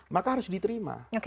maka harus diterima